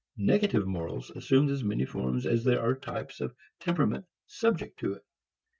Negative morals assume as many forms as there are types of temperament subject to it.